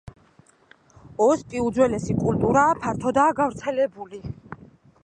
ოსპი უძველესი კულტურაა, ფართოდაა გავრცელებული.